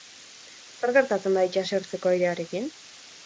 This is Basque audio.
Zer gertatzen da itsasertzeko airearekin?